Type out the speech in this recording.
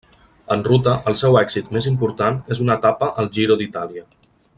En ruta, el seu èxit més important és una etapa al Giro d'Itàlia.